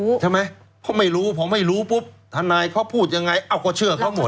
ใช่ไหมเขาไม่รู้พอไม่รู้ปุ๊บทนายเขาพูดยังไงเอ้าก็เชื่อเขาหมด